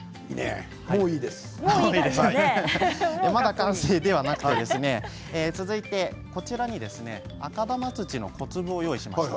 まだ完成ではなくて続いてこちらに赤玉土の小粒を用意しました。